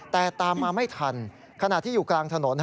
แต่ตามมาไม่ทันขณะที่อยู่กลางถนน